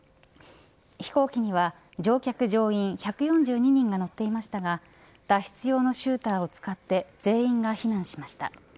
飛行機には乗客乗員１４２人が乗っていましたが脱出用のシューターを使って全員が避難しました。